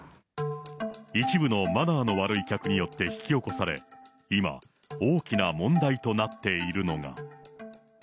一部のマナーの悪い客によって引き起こされ、今、大きな問題となっているのが。